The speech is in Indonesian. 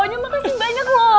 po nya mah kasih banyak loh